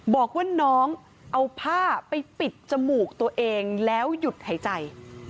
บอกว่าน้องเอาผ้าไปปิดจมูกตัวเองแล้วหยุดหายใจ